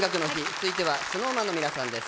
続いてはＳｎｏｗＭａｎの皆さんです。